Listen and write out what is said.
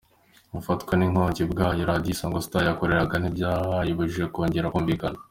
Gufatwa n’inkongi kw’aho Radio Isango Star yakoreraga, ntibyayibujije kongera kumvikana.